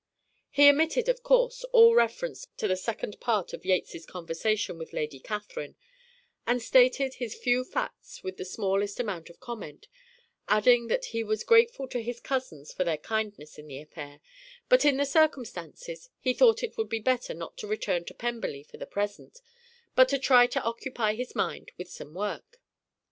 He omitted, of course, all reference to the second part of Yates's conversation with Lady Catherine, and stated his few facts with the smallest amount of comment, adding that he was grateful to his cousins for their kindness in the affair, but in the circumstances he thought it would be better not to return to Pemberley for the present, but to try to occupy his mind with some work.